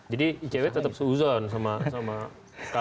jadi icw tetap seuzon sama kalau ada kemungkinan